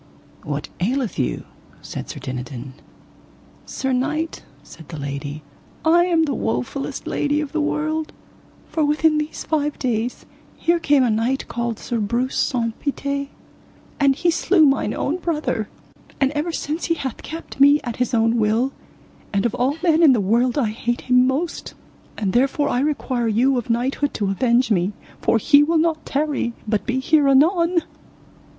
What aileth you? said Sir Dinadan. Sir knight, said the lady, I am the wofullest lady of the world, for within these five days here came a knight called Sir Breuse Saunce Pité, and he slew mine own brother, and ever since he hath kept me at his own will, and of all men in the world I hate him most; and therefore I require you of knighthood to avenge me, for he will not tarry, but be here anon.